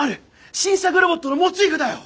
新作ロボットのモチーフだよ！